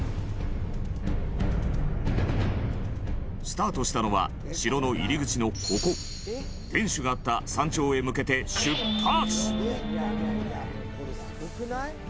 スタートしたのは城の入り口の、ここ天守があった山頂へ向けて出発！